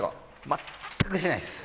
全くしないです。